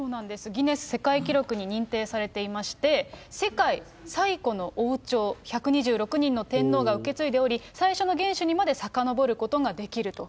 ギネス世界記録に認定されていまして、世界最古の王朝、１２６人の天皇が受け継いでおり、最初の元首にまでさかのぼることができると。